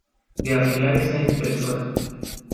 de arreglar esa impresora.